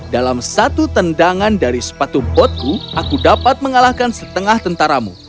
dalam satu tendangan dari sepatu botku aku dapat mengalahkan setengah tentaramu